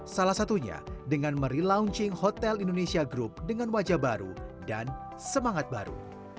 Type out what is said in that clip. salah satunya dengan merelaunching hotel indonesia group dengan wajah baru dan semangat baru